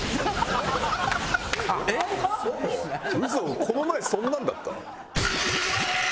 ウソこの前そんなんだった？